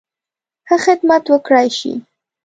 ښه خدمت وکړای شي.